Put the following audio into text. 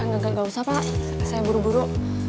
nggak usah pak saya buru buru